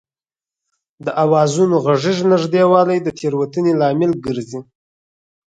د آوازونو غږیز نږدېوالی د تېروتنې لامل ګرځي